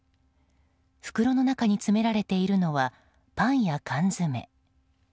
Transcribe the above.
袋の中に詰められているのはパンや缶詰。